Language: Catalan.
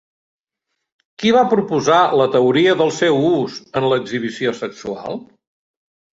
Qui va proposar la teoria del seu ús en l'exhibició sexual?